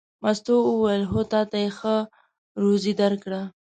مستو وویل: هو تا ته یې ښه روزي درکړه.